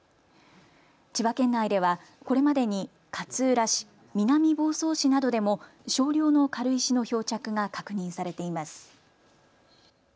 千葉県内では、これまでに勝浦市、南房総市などでも少量の軽石の漂着が確認されています。